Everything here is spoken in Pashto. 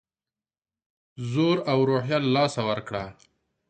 زور او روحیه له لاسه ورکړه.